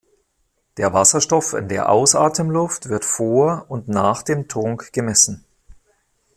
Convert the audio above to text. Der Wasserstoff in der Ausatemluft wird vor und nach dem Trunk gemessen.